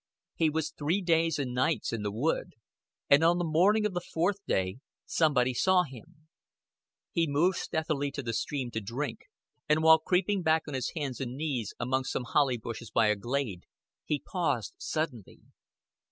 He was three days and nights in the wood; and on the morning of the fourth day somebody saw him. He had moved stealthily to the stream to drink, and while creeping back on hands and knees among some holly bushes by a glade, he paused suddenly.